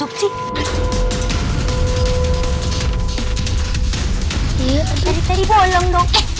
apa eh kok ketutup sih